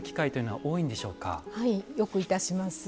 はいよくいたします。